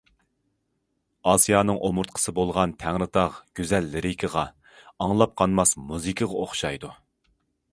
ئاسىيانىڭ ئومۇرتقىسى بولغان تەڭرىتاغ گۈزەل لىرىكىغا، ئاڭلاپ قانماس مۇزىكىغا ئوخشايدۇ.